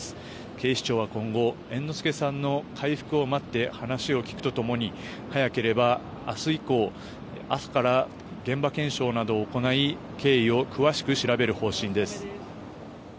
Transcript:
警視庁は、今後猿之助さんの回復を待って話を聞くと共に早ければ明日以降朝から現場検証などを行い経緯を詳しく調べる方針です。